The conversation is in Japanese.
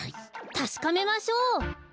たしかめましょう！